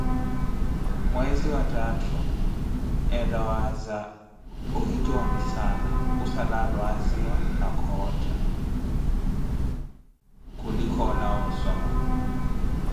Mweze wa thaathu, eetha waza ohitxonissana, khussala alwaziwa na khootha, khulika ólawa ossomima